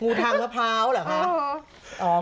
ทางมะพร้าวเหรอคะ